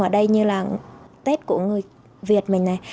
ở đây như là tết của người việt mình này